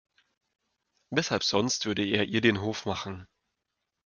Weshalb sonst würde er ihr den Hof machen?